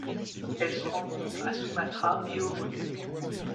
Elle se rencontre à Sumatra et aux Moluques.